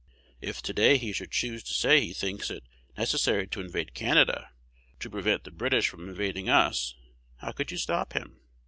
If to day he should choose to say he thinks it necessary to invade Canada, to prevent the British from invading us, how could you stop him?